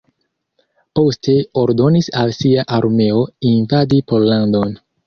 Poste ordonis al sia armeo invadi Pollandon.